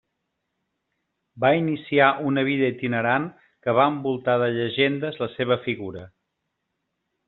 Va iniciar una vida itinerant que va envoltar de llegendes la seva figura.